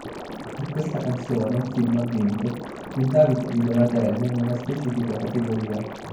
Per questa canzone il film ha vinto il David di Donatello nella specifica categoria.